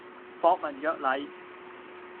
博文約禮